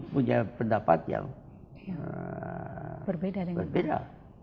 punya pendapat yang berbeda